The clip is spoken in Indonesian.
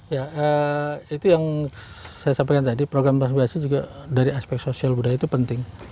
ya itu yang saya sampaikan tadi program transmisi juga dari aspek sosial budaya itu penting